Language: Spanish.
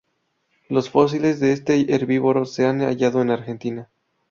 Los fósiles de este herbívoro se ha hallado en Argentina.